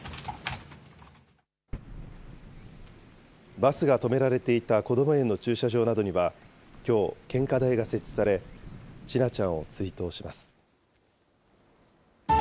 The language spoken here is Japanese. バスが止められていたこども園の駐車場などには、きょう、献花台が設置され、千奈ちゃんを追悼します。